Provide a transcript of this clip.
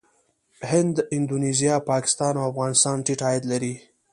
هند، اندونیزیا، پاکستان او افغانستان ټيټ عاید لري.